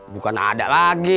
bukan ada lagi